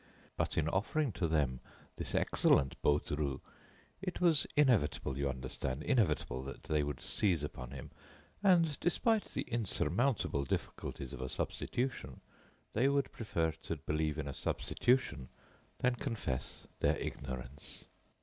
But, in offering to them this excellent Baudru, it was inevitable, you understand, inevitable that they would seize upon him, and, despite the insurmountable difficulties of a substitution, they would prefer to believe in a substitution than confess their ignorance."